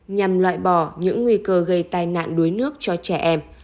nhằm loại bỏ những nguy cơ gây tai nạn đuối nước cho trẻ em